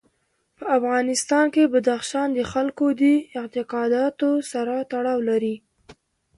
په افغانستان کې بدخشان د خلکو د اعتقاداتو سره تړاو لري.